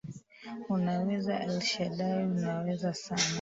Unaweza Elshaddai Unaweza sana.